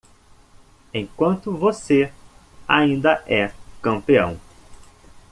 Enquanto você ainda é campeão!